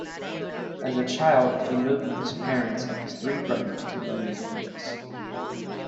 As a child, he moved with his parents and his three brothers to Minneapolis.